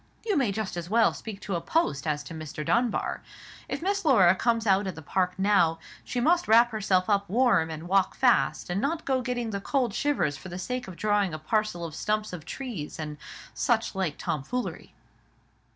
you may just as well speak to a post as to Mr. Dunbar. If Miss Laura comes out in the park now, she must wrap herself up warm, and walk fast, and not go getting the cold shivers for the sake of drawing a parcel of stumps of trees and such like tomfoolery."